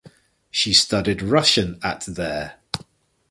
She studied Russian at there.